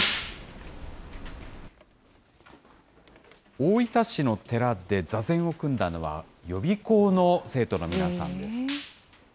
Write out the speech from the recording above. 大分市の寺で座禅を組んだのは、予備校の生徒の皆さんです。